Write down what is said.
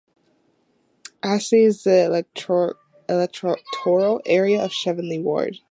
Ashley is in the electoral area of Cheveley ward.